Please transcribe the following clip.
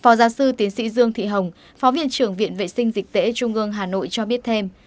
phó giáo sư tiến sĩ dương thị hồng phó viện trưởng viện vệ sinh dịch tễ trung ương hà nội cho biết thêm